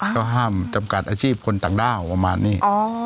ก็ห้ามจำกัดอาชีพคนต่างด้าวประมาณนี้